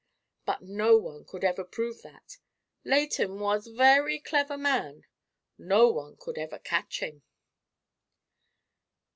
But no one could ever prove that. Leighton was very clever man. No one could ever catch him."